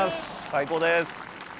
最高です。